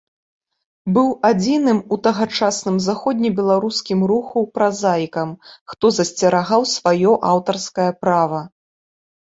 Быў адзіным у тагачасным заходнебеларускім руху празаікам, хто засцерагаў сваё аўтарскае права.